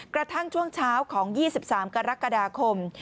กระทั่งช่วงเช้าของ๒๓กรกฎาคม